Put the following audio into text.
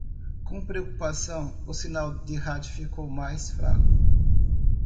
Com preocupação?, o sinal de rádio ficou mais fraco.